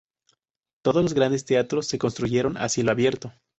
Todos los grandes teatros se construyeron a cielo abierto.